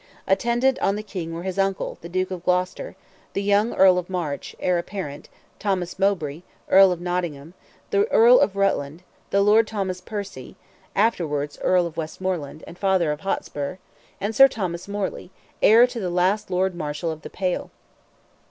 Attendant on the King were his uncle, the Duke of Gloucester, the young Earl of March, heir apparent, Thomas Mowbray, Earl of Nottingham, the Earl of Rutland, the Lord Thomas Percy, afterwards Earl of Westmoreland, and father of Hotspur, and Sir Thomas Moreley, heir to the last Lord Marshal of the "Pale."